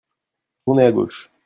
Tournez à gauche.